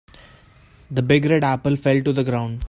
The big red apple fell to the ground.